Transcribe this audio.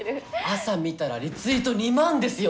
朝見たらリツイート２万ですよ